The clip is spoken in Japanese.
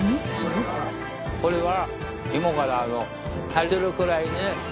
これは。